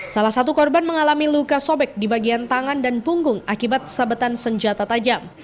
salah satu korban mengalami luka sobek di bagian tangan dan punggung akibat sabetan senjata tajam